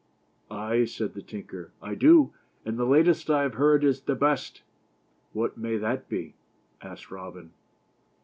"Ay," said the tinker, "I do, and the latest I have heard is the best." "What may that be?" asked Robin.